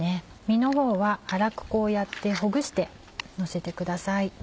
身のほうは粗くこうやってほぐしてのせてください。